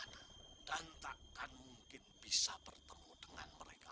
hai iya mbah kami nggak mungkin balik ke kota tanpa mereka